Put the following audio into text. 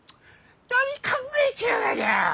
何考えちゅうがじゃ！